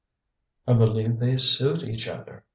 "I believe they suit each other.